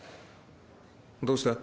どうした？